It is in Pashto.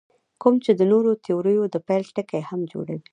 کوم چې د نورو تیوریو د پیل ټکی هم جوړوي.